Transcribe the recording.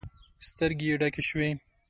سترګې يې ډکې شوې.